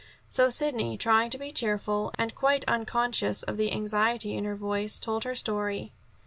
So Sidney, trying to be cheerful, and quite unconscious of the anxiety in her voice, told her story.